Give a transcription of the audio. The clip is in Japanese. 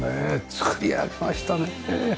作り上げましたね。